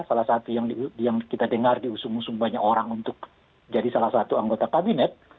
salah satu yang kita dengar diusung usung banyak orang untuk jadi salah satu anggota kabinet